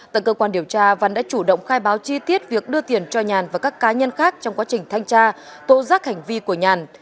tầng cơ quan điều tra văn đã chủ động khai báo chi tiết việc đưa tiền cho nhàn và các cá nhân khác trong quá trình thanh tra tố giác hành vi của nhàn